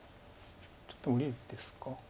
ちょっと無理ですか。